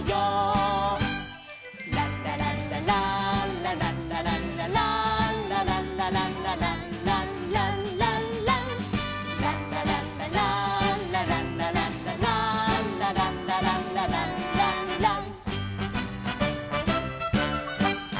「ランラランラランラランラランラランラ」「ランラランラランラランランラン」「ランラランラランラランラランラランラ」「ランラランラランランラン」